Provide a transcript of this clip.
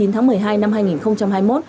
chín tháng một mươi hai năm hai nghìn hai mươi một